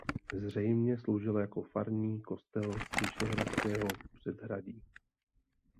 Zřejmě sloužila jako farní kostel vyšehradského předhradí.